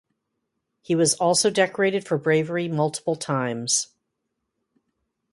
He was also decorated for bravery multiple times.